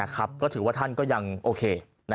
ก็ถือว่าท่านก็ยังโอเค